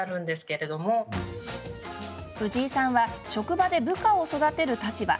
フヂイさんは職場で部下を育てる立場。